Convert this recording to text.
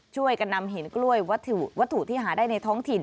ช่วยกันนำหินกล้วยวัตถุที่หาได้ในท้องถิ่น